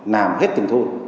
nằm hết từng thôn